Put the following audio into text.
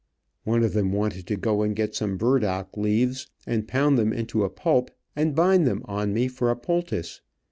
One of them wanted to go and get some burdock leaves, and pound them into a pulp, and bind them on me for a poultice.